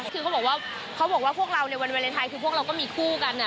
คือเขาบอกว่าเขาบอกว่าพวกเราในวันวาเลนไทยคือพวกเราก็มีคู่กัน